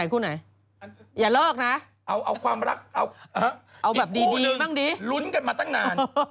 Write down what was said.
อีกคู่นึงรุ้นกันมาตั้งนาน